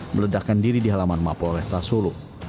meledakkan diri di halaman mapol restasulu